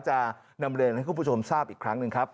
จะนำเรียนให้คุณผู้ชมทราบอีกครั้งหนึ่งครับ